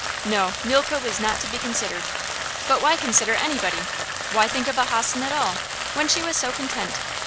No, Mulke was not to be considered. But why consider anybody? Why think of a hossen at all, when she was so content?